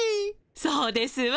そうですわ。